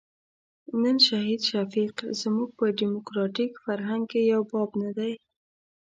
نن شهید شفیق زموږ په ډیموکراتیک فرهنګ کې یو باب نه دی.